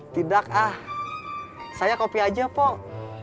tidak ah saya kopi aja kok